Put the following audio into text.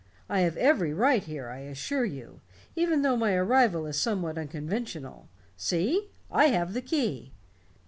"I have every right here, I assure you, even though my arrival is somewhat unconventional. See I have the key."